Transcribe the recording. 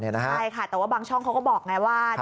ใช่ค่ะแต่ว่าบางช่องเขาก็บอกไงว่า